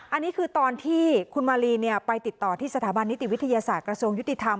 อันนี้คือตอนที่คุณมาลีไปติดต่อที่สถาบันนิติวิทยาศาสตร์กระทรวงยุติธรรม